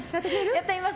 やってみます。